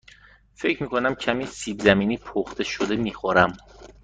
فکر می کنم کمی سیب زمینی پخته شده می خورم.